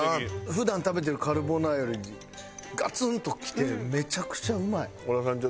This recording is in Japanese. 普段食べてるカルボナーラよりガツンときてめちゃくちゃうまい。